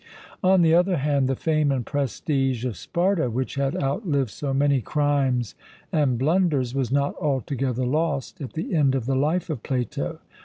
On the other hand the fame and prestige of Sparta, which had outlived so many crimes and blunders, was not altogether lost at the end of the life of Plato.